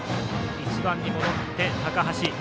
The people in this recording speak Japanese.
１番に戻って高橋。